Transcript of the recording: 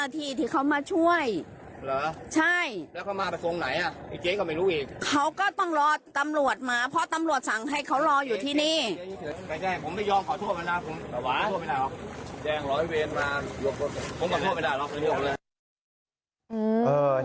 ที่ดังร้อยเวนมาลงไป